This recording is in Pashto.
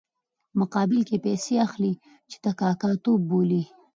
په مقابل کې یې پیسې اخلي چې دا کاکه توب بولي.